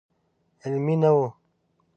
علمي نه و.